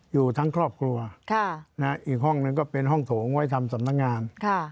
อยู่ทั้งครอบครัวอีกห้องหนึ่งก็เป็นห้องโถงไว้ทำสำนักงาน